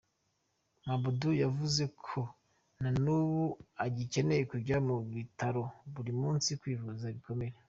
Mabbutt yavuze ko na n'ubu agicyenera kujya ku bitaro buri munsi kwivuza ibikomere.